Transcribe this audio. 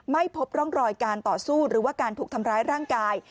ไม่พบร่องรอยการต่อสู้หรือว่าการถูกทำร้ายร่างกาย